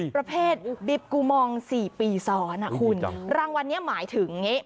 ประเภทดิบกูมอง๔ปีซ้อนอ่ะคุณรางวัลนี้หมายถึง